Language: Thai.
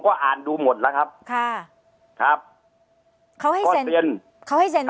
ก็อ่านดูหมดแล้วครับค่ะครับเขาให้เขาเซ็นเขาให้เซ็น